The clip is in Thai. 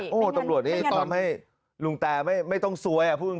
โอ้โฮตำรวจนี้ทำให้ลุงแต่ไม่ต้องสวยพูดจริง